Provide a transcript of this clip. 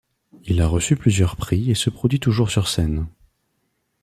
Il a reçu plusieurs prix et se produit toujours sur scène.